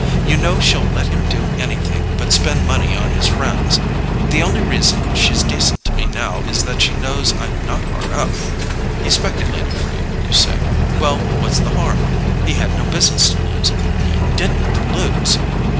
You know she'll let him do anything but spend money on his friends: the only reason she's decent to me now is that she knows I'm not hard up.—He speculated for you, you say? Well, what's the harm? He had no business to lose. He DIDN'T lose?